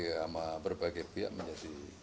sama berbagai pihak menjadi